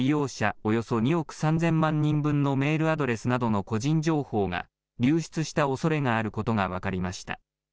およそ２億３０００万人分のメールアドレスなどの個人情報が流出したおそれがあることが分かりました。